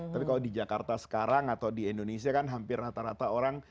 tapi kalau di jakarta sekarang atau di indonesia kan hampir rata rata orang